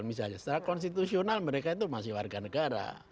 misalnya secara konstitusional mereka itu masih warga negara